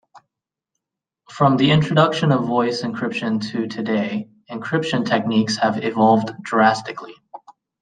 From the introduction of voice encryption to today, encryption techniques have evolved drastically.